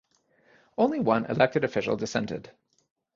Only one elected official dissented.